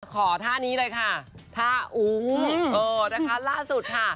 ขอท่านี้เลยค่ะท่าอุ้งเออนะคะล่าสุดค่ะ